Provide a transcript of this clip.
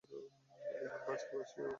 একদিন ভাজকে আসিয়া ভারি ভর্ৎসনা করিল।